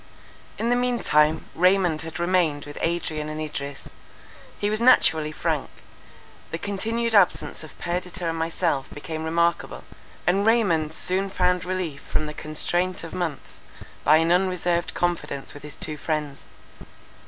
In the mean time, Raymond had remained with Adrian and Idris. He was naturally frank; the continued absence of Perdita and myself became remarkable; and Raymond soon found relief from the constraint of months, by an unreserved confidence with his two friends.